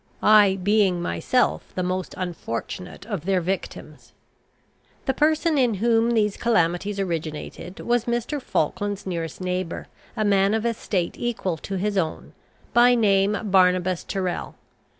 I being myself the most unfortunate of their victims. The person in whom these calamities originated was Mr. Falkland's nearest neighbour, a man of estate equal to his own, by name Barnabas Tyrrel.